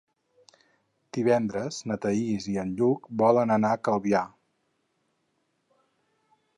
Divendres na Thaís i en Lluc volen anar a Calvià.